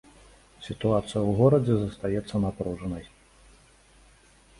Сітуацыя ў горадзе застаецца напружанай.